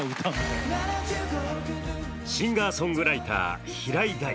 シンガーソングライター平井大。